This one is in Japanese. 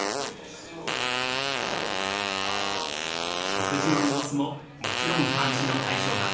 食事の様子ももちろん監視の対象だ。